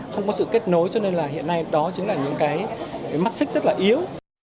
không có sự kết nối cho nên là hiện nay đó chính là những cái mắc xích rất là yếu